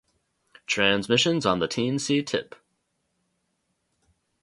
Transmissions on the Teen-C Tip!